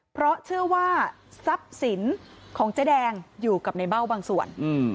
เพราะเชื่อว่าทรัพย์สินของเจ๊แดงอยู่กับในเบ้าบางส่วน